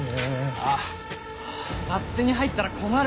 あっ勝手に入ったら困る。